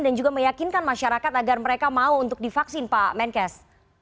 dan juga meyakinkan masyarakat agar mereka mau untuk divaksin pak menkes